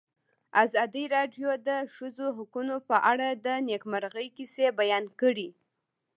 ازادي راډیو د د ښځو حقونه په اړه د نېکمرغۍ کیسې بیان کړې.